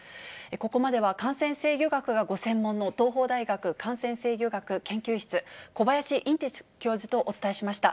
ここまでは感染制御学がご専門の東邦大学感染制御学研究室、小林寅てつ教授とお伝えしました。